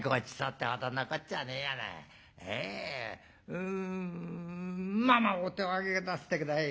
うんまあまあお手を上げなすって下さい。